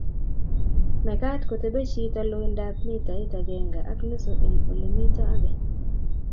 mekat kotebe chito loindab mitait agenge ak nusu eng' ole mito age